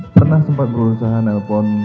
pernah sempat berusaha nelpon